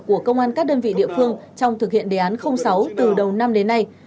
của công an các đơn vị địa phương trong thực hiện đề án sáu từ đầu năm đến nay